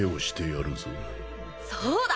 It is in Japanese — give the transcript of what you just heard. そうだ！